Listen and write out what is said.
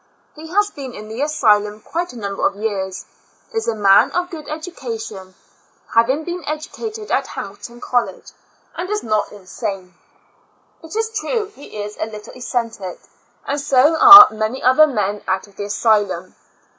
He has been in the asylum quite a number of years — is a man of good education, having been educa ted at Hamilton College, and is not insane. It is true he is a little eccentric, and so are many other men out of the asylum.